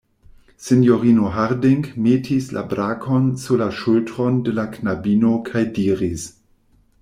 Sinjorino Harding metis la brakon sur la ŝultron de la knabino kaj diris: